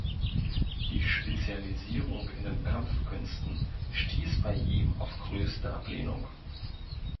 Die Spezialisierung in den Kampfkünsten stieß bei ihm auf größte Ablehnung.